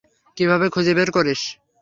কীভাবে খুঁজে বের করিস?